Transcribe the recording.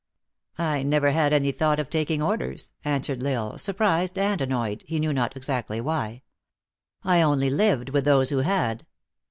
" I never had any thought of taking orders," an swered L Isle, surprised and annoyed, he knew not exactly why. " I only lived with those who had."